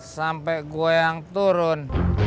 sampe gua yang turun